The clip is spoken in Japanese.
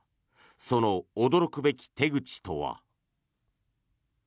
その驚くべき手口とは。